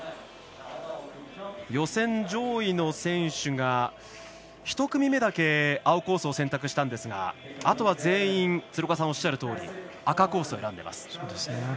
予選上位の選手が１組目だけ青コースを選択したんですがあとは全員、鶴岡さんがおっしゃるとおり赤コースを選んでいます。